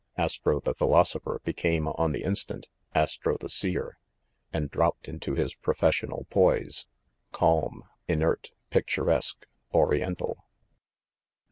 Astro the Philosopher be came, on the instant, Astro the Seer, and dropped into his professional poise, ‚ÄĒ calm, inert, picturesque, ori ental.